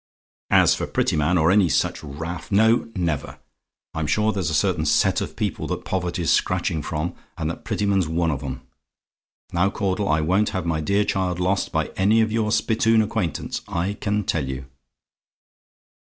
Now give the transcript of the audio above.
As for Prettyman, or any such raff no, never! I'm sure there's a certain set of people that poverty's catching from, and that Prettyman's one of 'em. Now, Caudle, I won't have my dear child lost by any of your spittoon acquaintance, I can tell you.